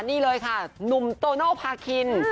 นี่เลยค่ะหนุ่มโตโนภาคิน